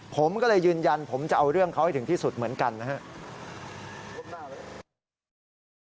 ผมก็เลยยืนยันผมจะเอาเรื่องเขาให้ถึงที่สุดเหมือนกันนะครับ